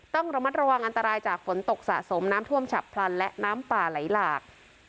ต้องระมัดระวังอันตรายจากฝนตกสะสมน้ำท่วมฉับพลันและน้ำป่าไหลหลาก